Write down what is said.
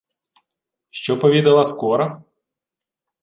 — Що повідала скора?